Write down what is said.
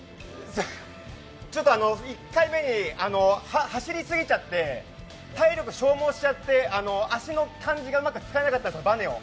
ちょっと、１回目に走り過ぎちゃって体力消耗しちゃって、足の感じがうまく使えなかったです、バネを。